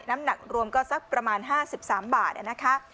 น้ำหนักรวมก็สักประมาณห้าสิบสามบาทอะนะคะ